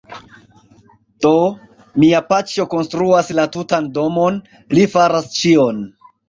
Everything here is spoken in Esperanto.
Do, mia paĉjo konstruas la tutan domon, li faras ĉion